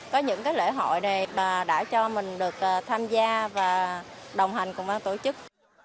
có những lễ hội này bà đã cho mình được tham gia và đồng hành cùng ban tổ chức